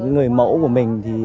người mẫu của mình